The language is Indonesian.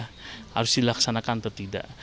harus dilaksanakan atau tidak